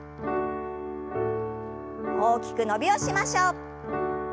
大きく伸びをしましょう。